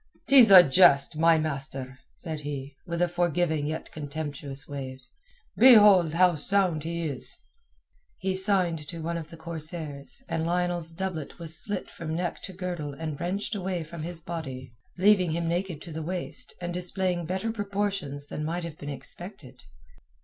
"'Tis a jest, my master," said he, with a forgiving yet contemptuous wave. "Behold how sound he is." He signed to one of the corsairs, and Lionel's doublet was slit from neck to girdle and wrenched away from his body, leaving him naked to the waist, and displaying better proportions than might have been expected.